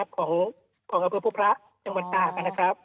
ของอบริปุระดิ์จังหวัดตาครับ